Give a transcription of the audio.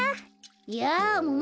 やあもも